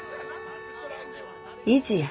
意地や。